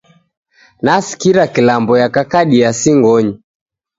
Nasikira kilambo yakakadia singonyi